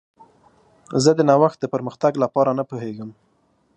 زه د نوښت د پرمختګ لپاره نه پوهیږم.